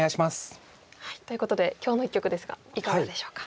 ということで今日の一局ですがいかがでしょうか？